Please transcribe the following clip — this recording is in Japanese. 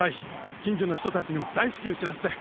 近所の人たちにも大至急知らせて。